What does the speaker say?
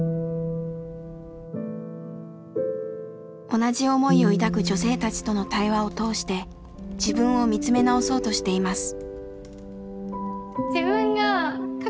同じ思いを抱く女性たちとの対話を通して自分を見つめ直そうとしています。